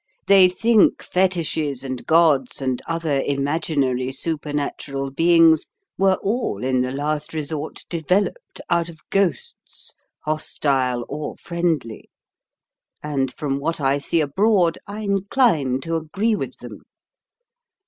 They think fetiches and gods and other imaginary supernatural beings were all in the last resort developed out of ghosts, hostile or friendly; and from what I see abroad, I incline to agree with them.